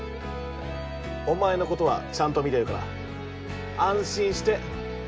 お前のことはちゃんと見てるから安心してトライしろ。